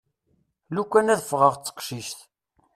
Lukan ad ffɣeɣ d teqcict.